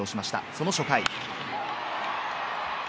その初回。